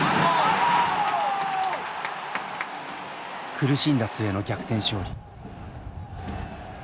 苦しんだ末の逆転勝利。